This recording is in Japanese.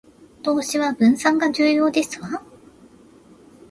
投資は分散が重要ですわ